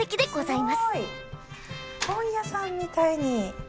本屋さんみたいに。